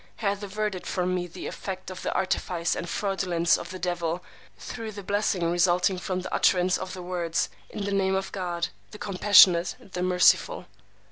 hath averted from me the effect of the artifice and fraudulence of the Devil, through the blessing resulting from the utterance of the words, In the name of God, the Compassionate, the Merciful.